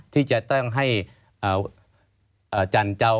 ที่จะต้องให้จันเจ้า